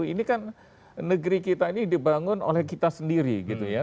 ini kan negeri kita ini dibangun oleh kita sendiri gitu ya